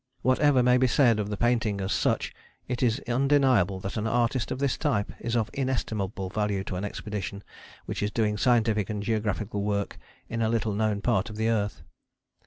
Whatever may be said of the painting as such, it is undeniable that an artist of this type is of inestimable value to an expedition which is doing scientific and geographical work in a little known part of the earth.